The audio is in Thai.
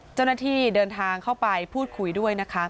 เจ้าหน้าที่เดินทางเข้าไปพูดคุยด้วยนะคะ